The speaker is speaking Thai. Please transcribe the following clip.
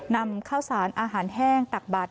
นำข้าวสารอาหารแห้งตักบาด